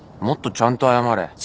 もっとちゃんと謝れ。